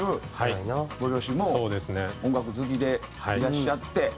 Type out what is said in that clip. ご両親も音楽好きでいらっしゃって。